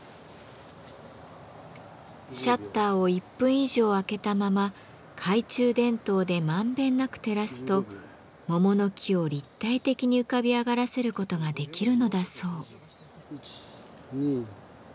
シャッターを１分以上あけたまま懐中電灯でまんべんなく照らすと桃の木を立体的に浮かび上がらせることができるのだそう。